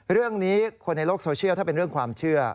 เรื่องนี้คนในโลกโซเชียลถ้าเป็นเรื่องความเชื่อ